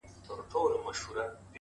• یو څو ورځي په کلا کي ورته تم سو ,